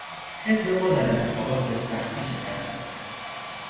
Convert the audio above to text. حزب ما در انتخابات به سختی شکست خورد.